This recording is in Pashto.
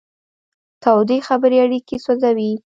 تودې خبرې اړیکې سوځوي.